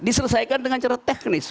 diselesaikan dengan cara teknis